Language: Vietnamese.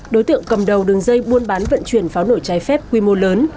đối tượng cầm đầu đường dây buôn bán vận chuyển pháo nổi trái phép quy mô lớn